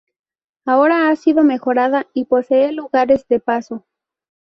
Ahora ha sido mejorada y posee lugares de paso.